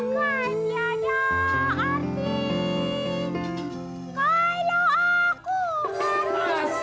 kayak aku kan ini